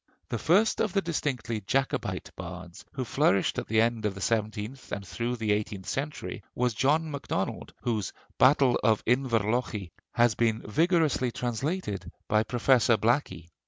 The first of the distinctively Jacobite bards, who flourished at the end of the seventeenth and through the eighteenth century, was John MacDonald, whose 'Battle of Inverlochy' has been vigorously translated by Professor Blackie.